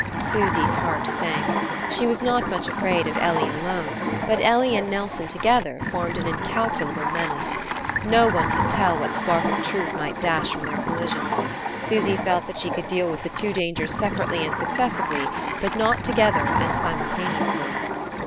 Susy's heart sank. She was not much afraid of Ellie alone, but Ellie and Nelson together formed an incalculable menace. No one could tell what spark of truth might dash from their collision. Susy felt that she could deal with the two dangers separately and successively, but not together and simultaneously.